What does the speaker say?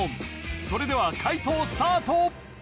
それでは解答スタート